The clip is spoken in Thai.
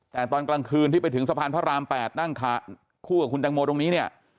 แต่ตอนกลางคืนที่ไปถึงสะพานพระราม๘นั่งคู่กับคุณแตงโมตรงนี้เนี่ย